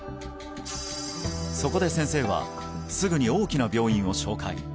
そこで先生はすぐに大きな病院を紹介